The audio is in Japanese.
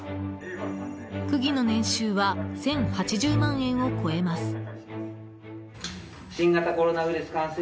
区議の年収は１０８０万円を超えます。